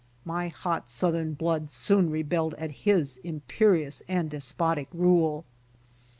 My hot Southern blood soon rebelled at his imperious and despotic rule.